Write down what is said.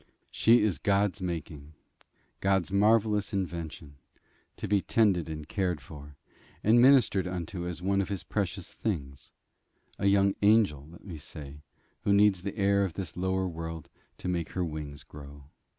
She is God's making; God's marvellous invention, to be tended and cared for, and ministered unto as one of his precious things; a young angel, let me say, who needs the air of this lower world to make her wings grow.